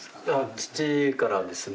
父からですね。